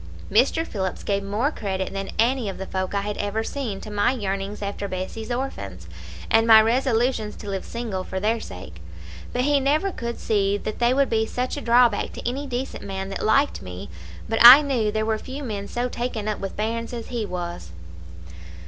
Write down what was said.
Mr. Phillips gave more credit than any of the folk I had ever seen to my yearnings after Bessie's orphans, and my resolutions to live single for their sake; but he never could see that they would be such a drawback to any decent man that liked me; but I knew there were few men so taken up with bairns as he was.